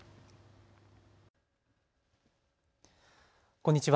こんにちは。